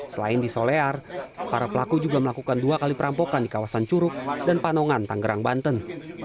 selain di solear para pelaku juga melakukan dua kali perampokan di kawasan curug dan panongan tanggerang banten